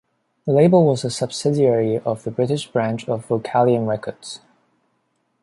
The label was a subsidiary of the British branch of Vocalion Records.